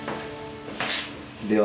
では。